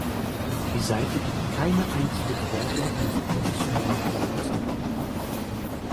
Die Seite gibt keine einzige Bewertung eines professionellen Kritikers an.